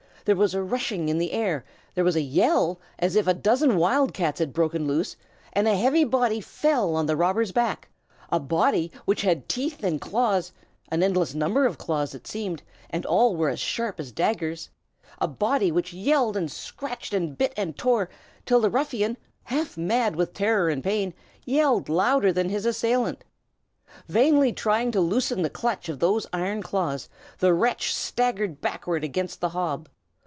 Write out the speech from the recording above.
There was a rushing in the air; there was a yell as if a dozen wild cats had broken loose, and a heavy body fell on the robber's back, a body which had teeth and claws (an endless number of claws, it seemed, and all as sharp as daggers); a body which yelled and scratched and bit and tore, till the ruffian, half mad with terror and pain, yelled louder than his assailant. Vainly trying to loosen the clutch of those iron claws, the wretch staggered backward against the hob.